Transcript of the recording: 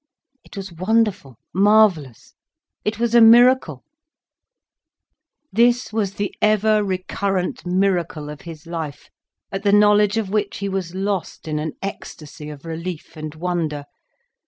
It was wonderful, marvellous, it was a miracle. This was the ever recurrent miracle of his life, at the knowledge of which he was lost in an ecstasy of relief and wonder.